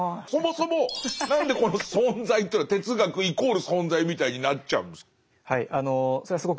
そもそも何でこの「存在」というのは哲学イコール「存在」みたいになっちゃうんですか？